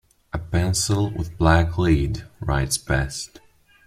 A pencil with black lead writes best.